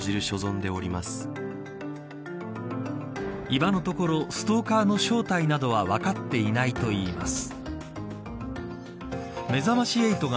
今のところストーカーの正体などは分かっていないといいます。